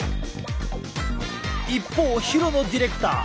一方廣野ディレクター